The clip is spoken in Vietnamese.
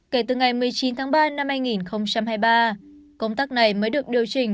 kể từ ngày một mươi chín tháng ba năm hai nghìn hai mươi ba công tác này mới được điều chỉnh